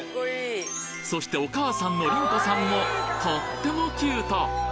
そしてお母さんの林子さんもとってもキュート！